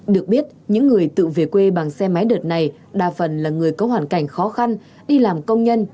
được biết những người tự về quê bằng xe máy đợt này đa phần là người có hoàn cảnh khó khăn đi làm công nhân